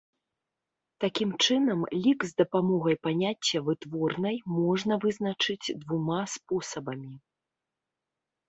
Такім чынам, лік з дапамогай паняцця вытворнай можна вызначыць двума спосабамі.